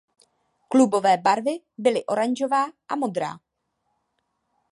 Klubové barvy byly oranžová a modrá.